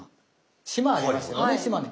島ありますよね。